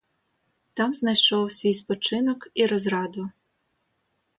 Там знайшов свій спочинок і розраду.